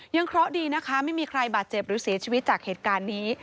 เคราะห์ดีนะคะไม่มีใครบาดเจ็บหรือเสียชีวิตจากเหตุการณ์นี้